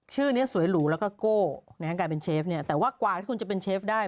ชื่อนี้สวยหรูแล้วก็โก้นะฮะกลายเป็นเชฟเนี่ยแต่ว่ากว่าที่คุณจะเป็นเชฟได้